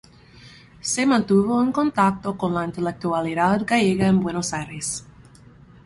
Se mantuvo en contacto con la intelectualidad gallega en Buenos Aires.